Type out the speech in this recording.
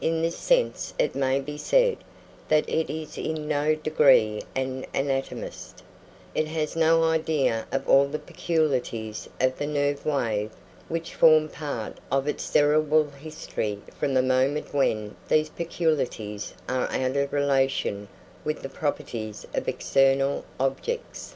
In this sense it may be said that it is in no degree an anatomist; it has no idea of all the peculiarities of the nerve wave which form part of its cerebral history from the moment when these peculiarities are out of relation with the properties of external objects.